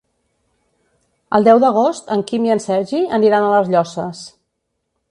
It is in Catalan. El deu d'agost en Quim i en Sergi aniran a les Llosses.